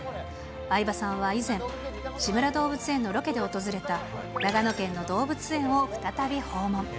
相葉さんは以前、志村どうぶつ園のロケで訪れた長野県の動物園を再び訪問。